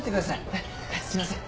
はいはいすいません。